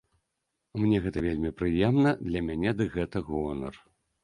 Мне гэта вельмі прыемна, для мяне дык гэта гонар.